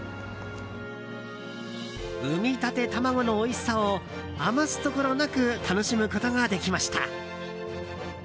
産みたて卵のおいしさを余すところなく楽しむことができました。